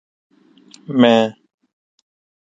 میں